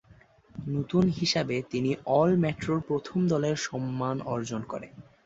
নতুন হিসাবে, তিনি অল-মেট্রোর প্রথম দলের সম্মান অর্জন করে।